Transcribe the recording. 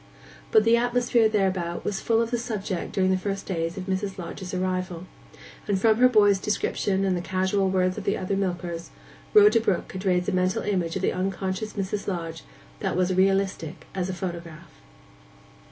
But the atmosphere thereabout was full of the subject during the first days of Mrs. Lodge's arrival; and from her boy's description and the casual words of the other milkers, Rhoda Brook could raise a mental image of the unconscious Mrs Lodge that was realistic as a photograph.